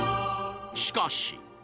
しかし